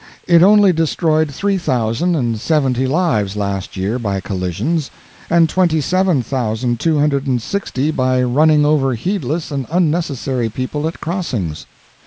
It only destroyed three thousand and seventy lives last year by collisions, and twenty seven thousand two hundred and sixty by running over heedless and unnecessary people at crossings.